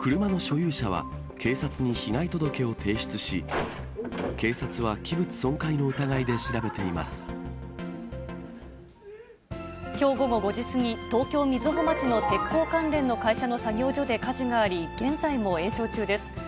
車の所有者は警察に被害届を提出し、警察は器物損壊の疑いで調べきょう午後５時過ぎ、東京・瑞穂町の鉄鋼関連の会社の作業所で火事があり、現在も延焼中です。